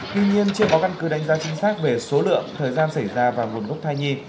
tuy nhiên chưa có căn cứ đánh giá chính xác về số lượng thời gian xảy ra và nguồn gốc thai nhi